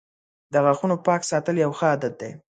• د غاښونو پاک ساتل یوه ښه عادت دی.